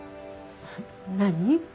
何？